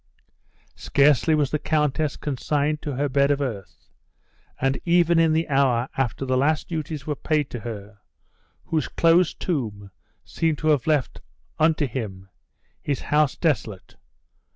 Scarcely was the countess consigned to her bed of earth, and even in the hour after the last duties were paid to her, whose closed tomb seemed to have left unto him "his house desolate!"